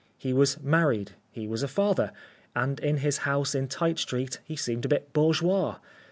He was married, he was a father, and in his house in Tite street he seemed a bit bourgeois.